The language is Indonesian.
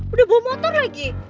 udah bawa motor lagi